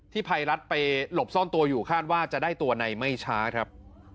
ภัยรัฐไปหลบซ่อนตัวอยู่คาดว่าจะได้ตัวในไม่ช้าครับ